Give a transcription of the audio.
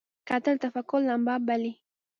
کتل د تفکر لمبه بلي